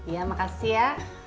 ya makasih ya